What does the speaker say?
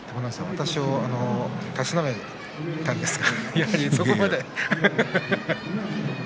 私をたしなめたんですか。